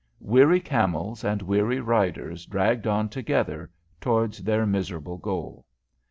Weary camels and weary riders dragged on together towards their miserable goal.